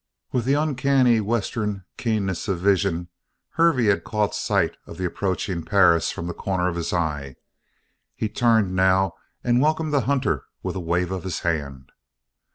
With the uncanny Western keenness of vision, Hervey had caught sight of the approaching Perris from the corner of his eye. He turned now and welcomed the hunter with a wave of his hand.